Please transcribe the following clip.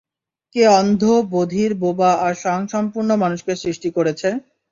কে অন্ধ, বধির, বোবা আর স্বয়ংসম্পূর্ণ মানুষকে সৃষ্টি করেছে?